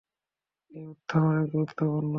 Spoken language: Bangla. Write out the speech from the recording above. এই উত্থান অনেক গুরুত্বপূর্ণ।